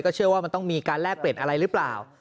เชื่อว่ามันต้องมีการแลกเปลี่ยนอะไรหรือเปล่า